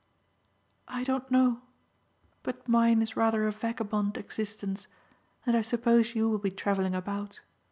"I don't know. But mine is rather a vagabond existence, and I suppose you will be travelling about.